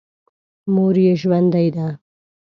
مور یې ژوندۍ ده.